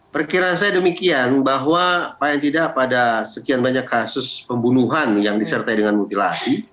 perkiraan saya demikian bahwa paling tidak pada sekian banyak kasus pembunuhan yang disertai dengan mutilasi